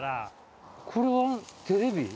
これはテレビ？